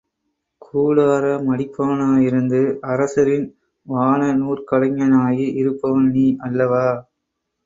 கூடார மடிப்பவனாயிருந்து, அரசரின் வானநூற்கலைஞனாகி இருப்பவன் நீ, அல்லவா?